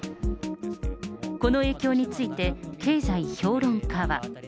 この影響について、経済評論家は。